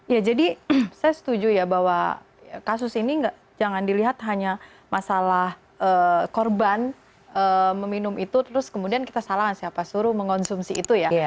ya jadi saya setuju ya bahwa kasus ini jangan dilihat hanya masalah korban meminum itu terus kemudian kita salahkan siapa suruh mengonsumsi itu ya